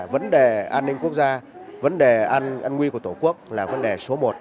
vấn đề an ninh quốc gia vấn đề an nguy của tổ quốc là vấn đề số một